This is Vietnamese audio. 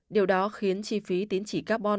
điều đó khiến chi phí tín chỉ carbon